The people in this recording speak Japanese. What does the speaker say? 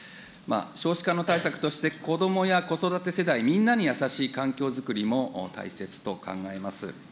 少子化の対策として、子どもや子育て世代、みんなにやさしい環境づくりも大切と考えます。